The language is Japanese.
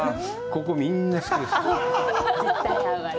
ここ、みんな好きです。